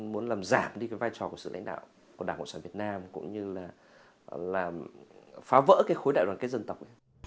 muốn làm giảm đi cái vai trò của sự lãnh đạo của đảng cộng sản việt nam cũng như là phá vỡ cái khối đại đoàn kết dân tộc ấy